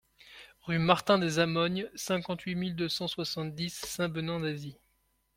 Rue Martin des Amognes, cinquante-huit mille deux cent soixante-dix Saint-Benin-d'Azy